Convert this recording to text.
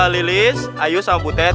lilis ayu sama butet